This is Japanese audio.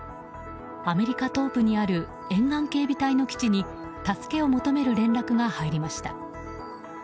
アメリカ東部にある沿岸警備隊の基地に助けを求める連絡が入りました。